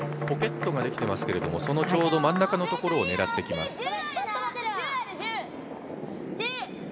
ポケットができてますけれどもそのちょうど真ん中のところを狙ってきます。